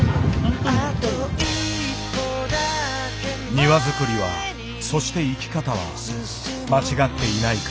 庭づくりはそして生き方は間違っていないか。